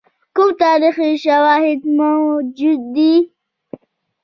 کوم تاریخي شواهد موجود دي.